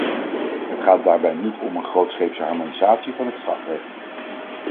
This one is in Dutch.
Het gaat daarbij niet om een grootscheepse harmonisatie van het strafrecht.